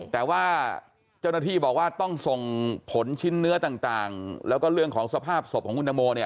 แต่ว่าเจ้าหน้าที่บอกว่าต้องส่งผลชิ้นเนื้อต่างแล้วก็เรื่องของสภาพศพของคุณตังโมเนี่ย